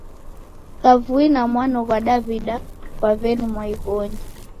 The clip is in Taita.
Kavui na mwano ghwa Daw'ida kwa w'eni mwaighonyi.